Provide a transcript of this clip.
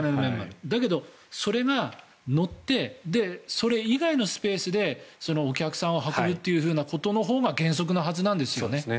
だけど、それが載ってそれ以外のスペースでお客さんを運ぶということのほうが原則なはずなんですよね。